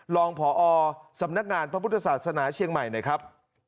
รองพอสำนักงานพระพุทธศาสนาเชียงใหม่หน่อยครับ